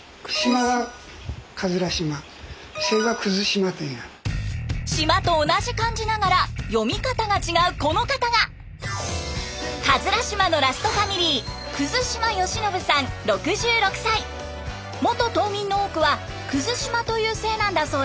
島と同じ漢字ながら読み方が違うこの方が島のラストファミリー元島民の多くは島という姓なんだそうです。